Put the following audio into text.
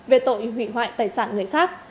về tội hủy hoại tài sản người khác